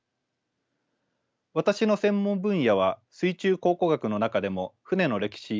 私の専門分野は水中考古学の中でも船の歴史